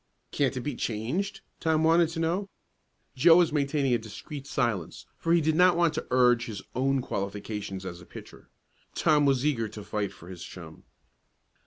"Can't it be changed?" Tom wanted to know. Joe was maintaining a discrete silence, for he did not want to urge his own qualifications as a pitcher. Tom was eager to fight for his chum.